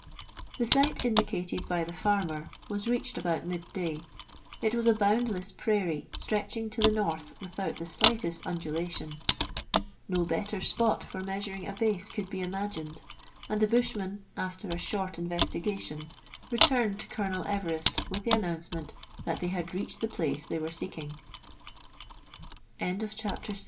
The site indicated by the farmer was reached about midday. It was a boundless prairie stretching to the north without the slightest undulation. No better spot for measuring a base could be imagined, and the bushman, after a short investigation, returned to Colonel Everest with the announcement